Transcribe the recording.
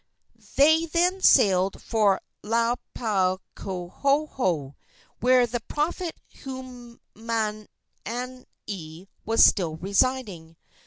They then sailed for Laupahoehoe, where the prophet Hulumaniani was still residing.